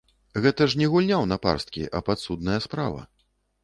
Гэта ж не гульня ў напарсткі, а падсудная справа.